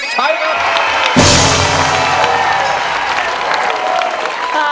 ใช้ครับ